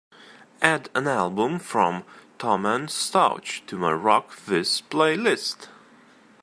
Add an album from Thomen Stauch to my Rock This playlist.